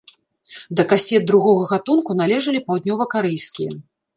Да касет другога гатунку належалі паўднёвакарэйскія.